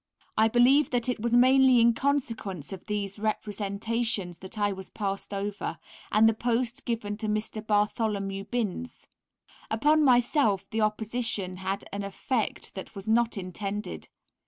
I believe that it was mainly in consequence of these representations that I was passed over, and the post given to Mr. Bartholomew Binns. Upon myself the opposition had an effect that was not intended.